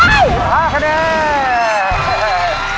รวมรวดมา๔๐คะแนนเพื่ออิทธิ์เข้าด้าน